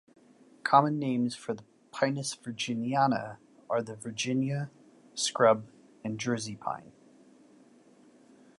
Common names for the "Pinus virginiana" are the Virginia, Scrub and Jersey Pine.